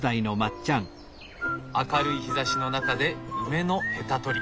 明るい日ざしの中で梅のヘタ取り。